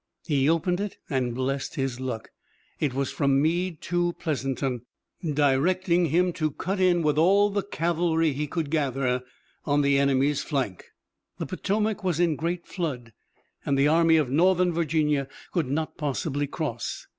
He opened it and blessed his luck. It was from Meade to Pleasanton, directing him to cut in with all the cavalry he could gather on the enemy's flank. The Potomac was in great flood and the Army of Northern Virginia could not possibly cross.